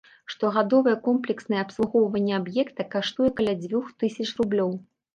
Штогадовае комплекснае абслугоўванне аб'екта каштуе каля дзвюх тысяч рублёў.